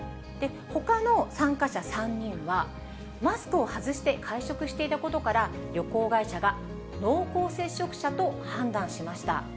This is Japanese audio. ほかの参加者３人は、マスクを外して会食していたことから、旅行会社が濃厚接触者と判断しました。